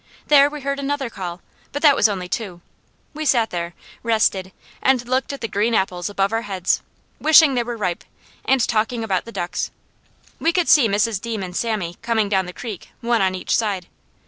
There we heard another call, but that was only two. We sat there, rested and looked at the green apples above our heads, wishing they were ripe, and talking about the ducks. We could see Mrs. Deam and Sammy coming down the creek, one on each side.